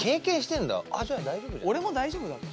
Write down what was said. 俺も大丈夫だと。